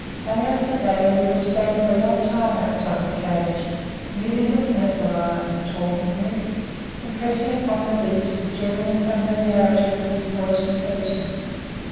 Day after day he will stand for a long time outside the cage, merely looking at the lion, talking to him, impressing upon the beast a general familiarity with his voice and person.